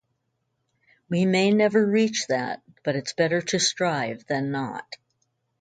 We may never reach that, but it's better to strive than not.